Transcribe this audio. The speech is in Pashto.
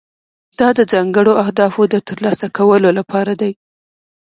دا د ځانګړو اهدافو د ترلاسه کولو لپاره دی.